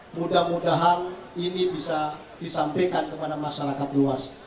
mudah mudahan ini bisa disampaikan kepada masyarakat luas